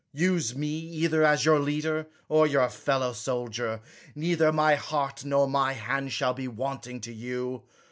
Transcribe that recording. Use me either as your leader or your fellow soldier; neither my heart nor my hand shall be wanting to you.